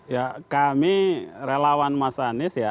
ya kami relawan mas anies ya